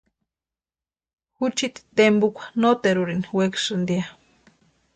Juchiti tempukwa noterurini wekasïnti ya.